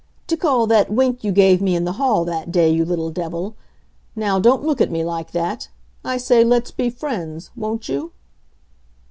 To call that wink you gave me in the hall that day, you little devil. Now, don't look at me like that. I say, let's be friends; won't you?"